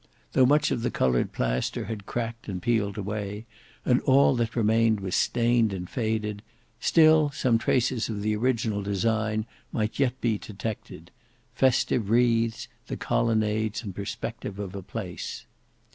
Though much of the coloured plaster had cracked and peeled away, and all that remained was stained and faded, still some traces of the original design might yet be detected: festive wreaths, the colonnades and perspective of a palace.